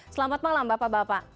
selamat malam bapak bapak